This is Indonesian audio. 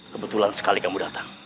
kebetulan sekali kamu datang